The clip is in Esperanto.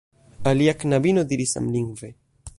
Alia knabino diris samlingve: